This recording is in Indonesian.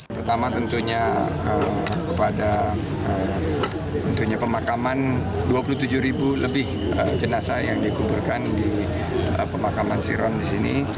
pertama tentunya kepada tentunya pemakaman dua puluh tujuh ribu lebih jenazah yang dikuburkan di pemakaman siron di sini